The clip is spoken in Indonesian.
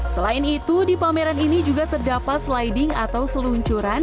selain itu di pameran ini juga terdapat sliding atau seluncuran